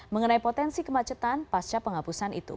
mengenai potensi kemacetan pasca penghapusan itu